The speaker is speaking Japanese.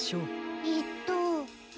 えっと。